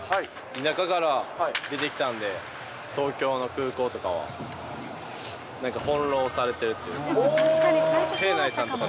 田舎から出てきたんで、東京の空港とかは、なんか翻弄されてるというか。